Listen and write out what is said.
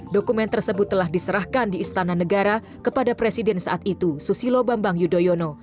dokumen tersebut telah diserahkan di istana negara kepada presiden saat itu susilo bambang yudhoyono